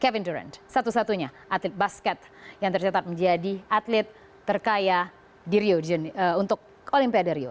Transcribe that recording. kevin durant satu satunya atlet basket yang tercetak menjadi atlet terkaya untuk olimpiade rio